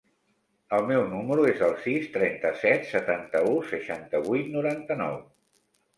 El meu número es el sis, trenta-set, setanta-u, seixanta-vuit, noranta-nou.